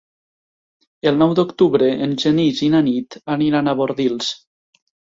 El nou d'octubre en Genís i na Nit aniran a Bordils.